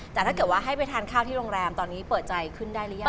แต่ถ้าเกิดว่าให้ไปทานข้าวที่โรงแรมตอนนี้เปิดใจขึ้นได้หรือยัง